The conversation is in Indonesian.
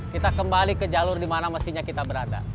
kita kembali ke jalur dimana mesinnya kita berada